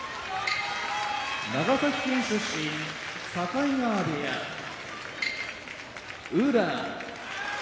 長崎県出身境川部屋宇良